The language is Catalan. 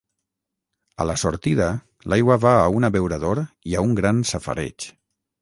A la sortida l'aigua va a un abeurador i a un gran safareig.